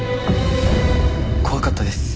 怖かったです。